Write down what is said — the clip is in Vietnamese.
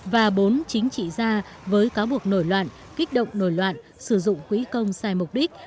và bốn chính trị gia với cáo buộc nổi loạn kích động nổi loạn sử dụng quỹ công sai mục đích